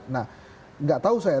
nah nggak tahu saya